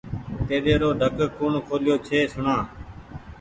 تيليرو ڍڪ ڪوٚڻ کوليو ڇي سوڻآ